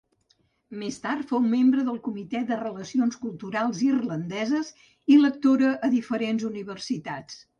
Més tard fou membre del Comitè de Relacions Culturals Irlandeses i lectora a diferents universitats.